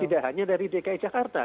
tidak hanya dari dki jakarta